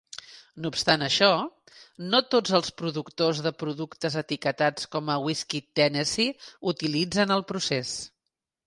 No obstant això, no tots els productors de productes etiquetats com a Whisky Tennessee utilitzen el procés.